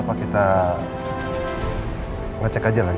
apa kita ngecek aja lagi